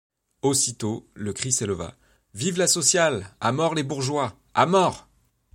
Aussitôt, le cri s’éleva: — Vive la sociale! à mort les bourgeois ! à mort !